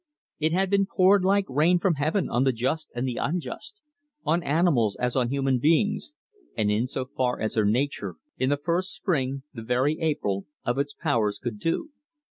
It had been poured like the rain from heaven on the just and the unjust; on animals as on human beings, and in so far as her nature, in the first spring the very April of its powers, could do.